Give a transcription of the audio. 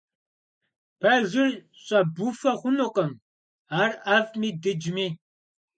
Пэжыр щӏэбуфэ хъунукъым, ар ӏэфӏми дыджми.